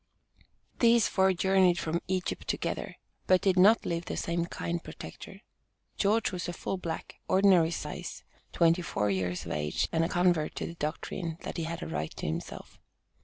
These four journeyed from "Egypt" together but did not leave the same "kind protector." George was a full black, ordinary size, twenty four years of age, and a convert to the doctrine that he had a right to himself.